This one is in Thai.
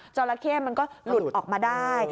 ราเข้มันก็หลุดออกมาได้